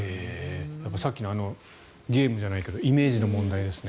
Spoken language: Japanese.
さっきのゲームじゃないけどイメージの問題ですね。